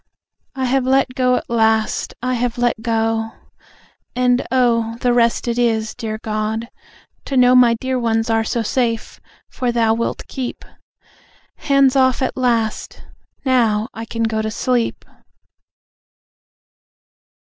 I have let go at last. I have let go. And, oh, the rest it is, dear God, to know My dear ones are so safe, for Thou wilt keep. Hands off, at last! Now, I can go to sleep.